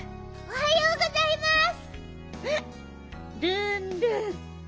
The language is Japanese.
おはようございます。